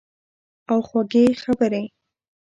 او خوږې خبرې